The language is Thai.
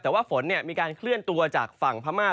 แต่ว่าฝนมีการเคลื่อนตัวจากฝั่งพม่า